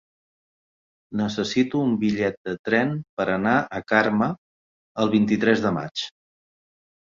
Necessito un bitllet de tren per anar a Carme el vint-i-tres de maig.